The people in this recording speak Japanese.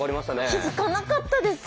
気付かなかったです。